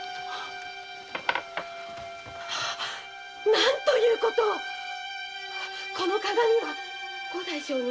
何ということをこの鏡は五代将軍